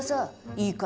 いいか？